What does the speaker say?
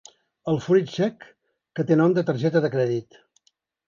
El fruit sec que té nom de targeta de crèdit.